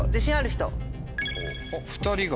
２人が。